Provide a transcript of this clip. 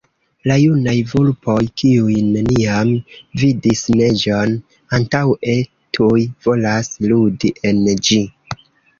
La junaj vulpoj, kiuj neniam vidis neĝon antaŭe, tuj volas ludi en ĝi.